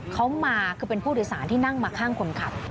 เขามาคือเป็นผู้โดยสารที่นั่งมาข้างคนขับ